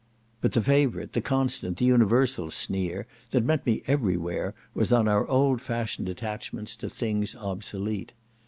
But the favourite, the constant, the universal sneer that met me every where, was on our old fashioned attachments to things obsolete.